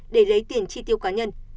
để lấy tiền chi tiêu cá nhân